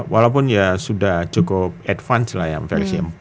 walaupun ya sudah cukup advance lah yang versi empat